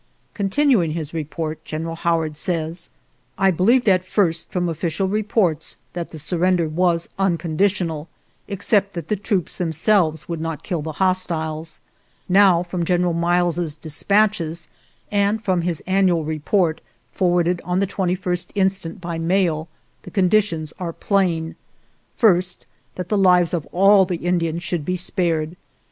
.•." Continuing his report, General Howard says: "... I believed at first from official reports that the surrender was uncondi tional, except that the troops themselves would not kill the hostiles. Now, from General Miles's dispatches and from his an nual report, forwarded on the 21st instant by mail, the conditions are plain: First, that the lives of all the Indians should be spared.